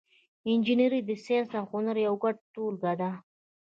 انجنیری د ساینس او هنر یوه ګډه ټولګه ده.